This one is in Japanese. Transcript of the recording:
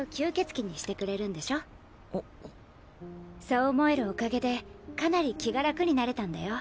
そう思えるおかげでかなり気が楽になれたんだよ。